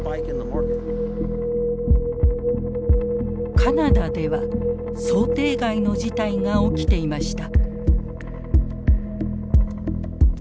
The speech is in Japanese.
カナダでは想定外の事態が起きていました。